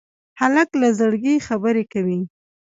هلک له زړګي خبرې کوي.